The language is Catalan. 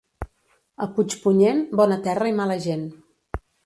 A Puigpunyent, bona terra i mala gent.